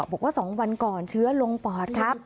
บอกว่า๒วันก่อนเชื้อลงปอดครับ